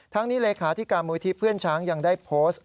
ทั้งนี้เลยค่ะที่การมูลทีเพื่อนช้างยังได้โพสต์